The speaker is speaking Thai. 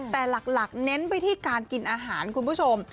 แต่หลักเน้นไปที่การกินอาหารคุณผู้ชม